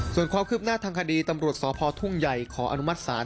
ส่วนความคืบหน้าทางคดีตำรวจสพทุ่งใหญ่ขออนุมัติศาล